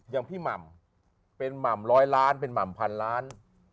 อย่างพี่หม่ำเป็นหม่ำร้อยล้านเป็นหม่ำพันล้าน